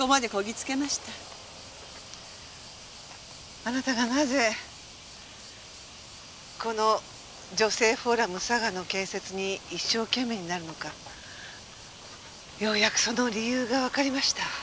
あなたがなぜこの女性フォーラム嵯峨の建設に一生懸命になるのかようやくその理由がわかりました。